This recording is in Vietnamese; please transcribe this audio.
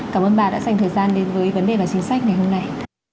cảm ơn bà đã dành thời gian đến với vấn đề và chính sách ngày hôm nay